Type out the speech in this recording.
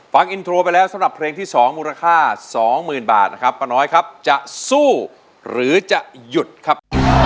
ฟังอินโทรไปแล้วสำหรับเพลงที่๒มูลค่าสองหมื่นบาทนะครับป้าน้อยครับจะสู้หรือจะหยุดครับ